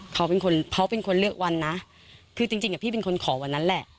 เขาเป็นคนเลือกวันนะคือจริงพี่เป็นคนขอวันนั้นแหละ